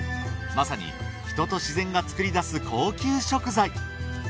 まさに人と自然が作り出す高級食材